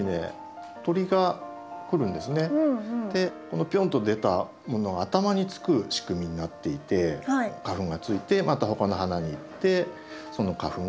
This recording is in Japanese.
このピョンと出たものが頭につく仕組みになっていて花粉がついてまた他の花に行ってその花粉を雌しべにつけるというような。